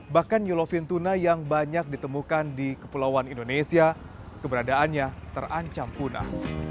bahkan nyolofin tuna yang banyak ditemukan di kepulauan indonesia keberadaannya terancam punah